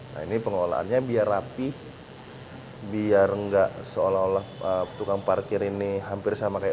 nah ini pengolahannya biar rapih biar enggak seolah olah tukang parkir ini hampir sama kayak